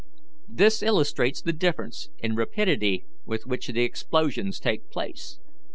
This illustrates the difference in rapidity with which the explosions take place.